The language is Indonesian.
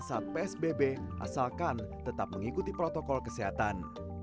saat psbb asalkan tetap mengikuti protokol kesehatan